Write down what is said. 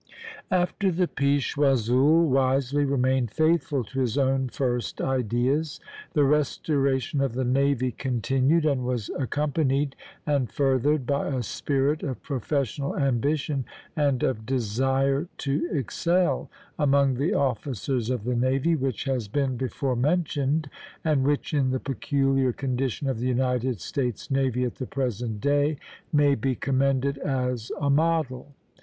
After the peace, Choiseul wisely remained faithful to his own first ideas. The restoration of the navy continued, and was accompanied and furthered by a spirit of professional ambition and of desire to excel, among the officers of the navy, which has been before mentioned, and which, in the peculiar condition of the United States navy at the present day, may be commended as a model.